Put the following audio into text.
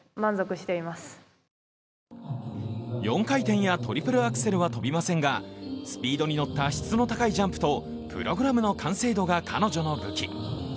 ４回転やトリプルアクセルは跳びませんがスピードに乗った質の高いジャンプとプログラムの完成度が彼女の武器。